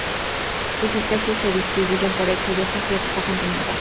Sus especies se distribuyen por el Sudeste Asiático continental.